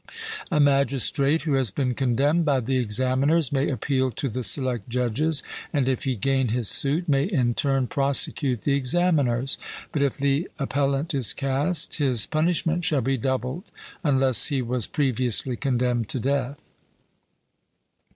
A magistrate who has been condemned by the examiners may appeal to the select judges, and, if he gain his suit, may in turn prosecute the examiners; but if the appellant is cast, his punishment shall be doubled, unless he was previously condemned to death.